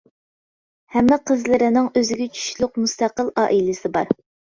ھەممە قىزلىرىنىڭ ئۆزىگە تۇشلۇق مۇستەقىل ئائىلىسى بار.